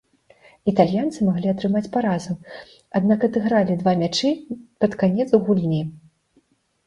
Італьянцы маглі атрымаць паразу, аднак адыгралі два мячы пад канец гульні.